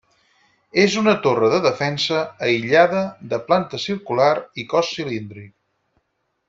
És una torre de defensa, aïllada, de planta circular i cos cilíndric.